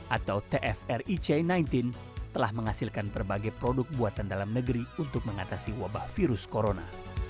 atau tfric sembilan belas telah menghasilkan berbagai produk buatan dalam negeri untuk mengatasi wabah virus corona